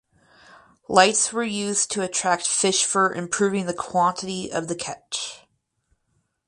Lights were used to attract fish for improving the quantity of the catch.